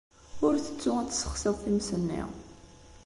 Ur ttettu ad tessexsiḍ times-nni.